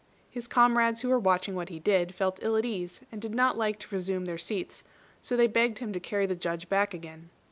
His comrades who were watching what he did, felt ill at ease, and did not like to resume their seats; so they begged him to carry the Judge back again.